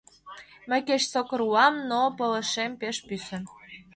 – Мый кеч сокыр улам, но пылышем пеш пӱсӧ.